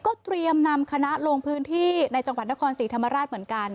ก็เตรียมนำคณะลงพื้นที่ในจังหวัดนครศรีธรรมราชเหมือนกัน